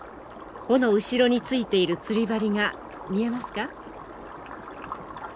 尾の後ろについている釣り針が見えますか？